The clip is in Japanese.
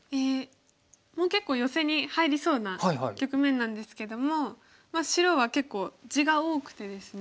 もう結構ヨセに入りそうな局面なんですけども白は結構地が多くてですね。